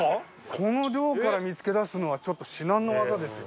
この量から見付けだすのはちょっと至難の業ですよ。